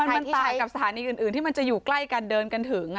มันต่างกับสถานีอื่นที่มันจะอยู่ใกล้กันเดินกันถึง